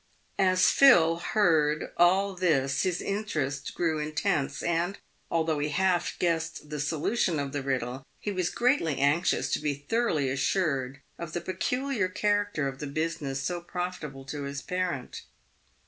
As Phil heard all this his interest grew intense, and, although he half guessed the solution of the riddle, he was greatly anxious to be thoroughly assured of the peculiar character of the business so profitable to his parent.